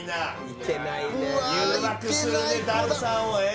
いけないね